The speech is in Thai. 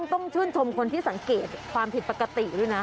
ต้องชื่นชมคนที่สังเกตความผิดปกติด้วยนะ